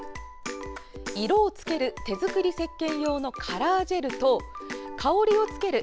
色をつける、手作りせっけん用のカラージェルと香りをつける